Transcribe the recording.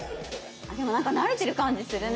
でも何か慣れてる感じするね。